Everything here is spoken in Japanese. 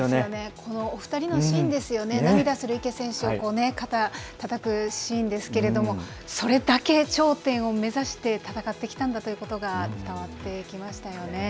このお２人のシーンですよね、涙する池選手を、肩たたくシーンですけれども、それだけ頂点を目指して、戦ってきたんだということが伝わってきましたよね。